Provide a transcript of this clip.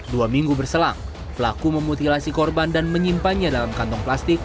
dua minggu berselang pelaku memutilasi korban dan menyimpannya dalam kantong plastik